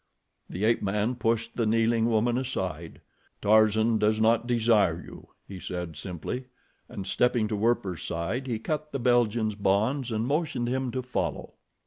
The ape man pushed the kneeling woman aside. "Tarzan does not desire you," he said, simply, and stepping to Werper's side he cut the Belgian's bonds and motioned him to follow.